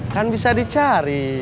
kan bisa dicari